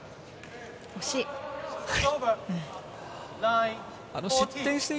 惜しい。